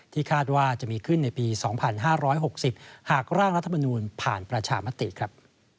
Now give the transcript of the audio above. คาดว่าจะมีขึ้นในปี๒๕๖๐หากร่างรัฐมนูลผ่านประชามติครับ